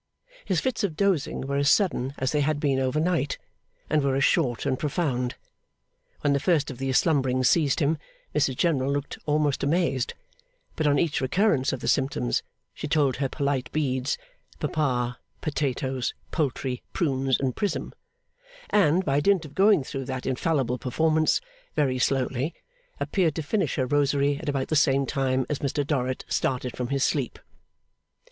His fits of dozing were as sudden as they had been overnight, and were as short and profound. When the first of these slumberings seized him, Mrs General looked almost amazed: but, on each recurrence of the symptoms, she told her polite beads, Papa, Potatoes, Poultry, Prunes, and Prism; and, by dint of going through that infallible performance very slowly, appeared to finish her rosary at about the same time as Mr Dorrit started from his sleep.